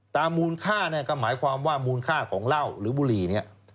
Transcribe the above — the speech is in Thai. มูลค่าเนี่ยก็หมายความว่ามูลค่าของเหล้าหรือบุหรี่เนี่ย